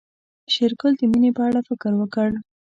شېرګل د مينې په اړه فکر وکړ.